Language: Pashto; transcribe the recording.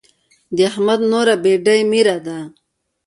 د احمد نوره بېډۍ ميره ده.